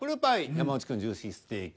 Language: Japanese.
山内くん「ジューシーステーキ」。